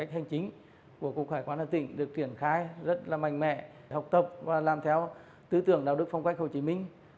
hải quan tỉnh hà tĩnh được triển khai rất là mạnh mẽ học tập và làm theo tư tưởng đạo đức phong cách hồ chí minh